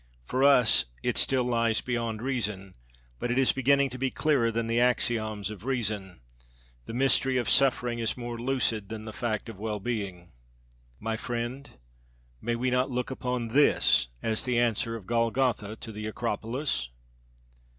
For us it still lies beyond reason, but is beginning to be clearer than the axioms of reason. The mystery of suffering is more lucid than the fact of well being. My friend, may we not look upon this as the answer of Golgotha to the Acropolis?